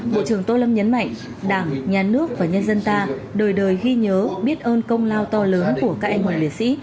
bộ trưởng tô lâm nhấn mạnh đảng nhà nước và nhân dân ta đời đời ghi nhớ biết ơn công lao to lớn của các anh hùng liệt sĩ